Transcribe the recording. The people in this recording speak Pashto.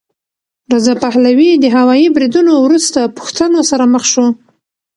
رضا پهلوي د هوايي بریدونو وروسته پوښتنو سره مخ شو.